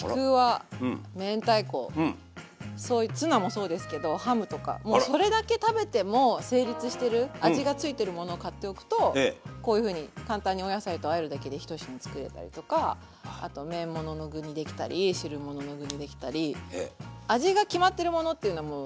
そうだな何かあのもうそれだけ食べても成立してる味がついてるものを買っておくとこういうふうに簡単にお野菜とあえるだけで１品作れたりとかあと麺物の具にできたり汁物の具にできたり味が決まってるものっていうのはもう。